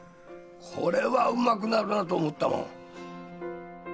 これはうまくなるなと思ったもん。